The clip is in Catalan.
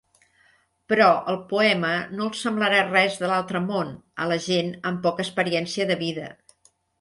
Però el poema no els semblarà res de l'altre món, a la gent amb poca experiència de vida.